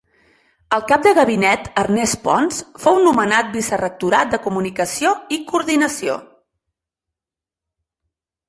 El cap de gabinet, Ernest Pons, fou nomenat vicerectorat de Comunicació i Coordinació.